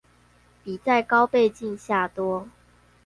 比在高倍鏡下多